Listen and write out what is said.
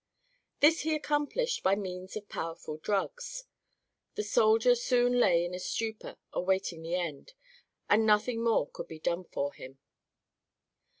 This he accomplished by means of powerful drugs. The soldier soon lay in a stupor, awaiting the end, and nothing more could be done for him.